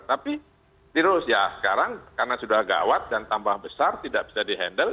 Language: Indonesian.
tapi virus ya sekarang karena sudah gawat dan tambah besar tidak bisa di handle